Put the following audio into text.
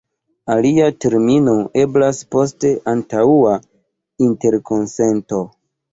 Alia termino eblas post antaŭa interkonsento.